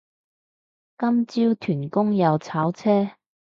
今朝屯公又炒車